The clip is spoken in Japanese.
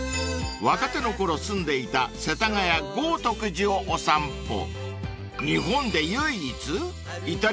［若手のころ住んでいた世田谷豪徳寺をお散歩］